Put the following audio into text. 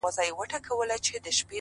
ورته نظمونه ليكم!!